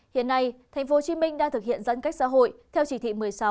hiện nay tp hcm đang thực hiện giãn cách xã hội theo chỉ thị một mươi sáu